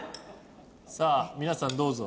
さあ皆さんどうぞ。